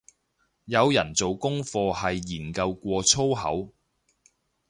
有人做功課係研究過粗口